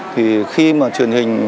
thì khi mà truyền hình